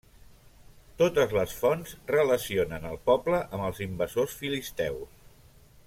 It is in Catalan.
Totes les fonts relacionen el poble amb els invasors Filisteus.